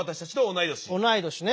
同い年ね。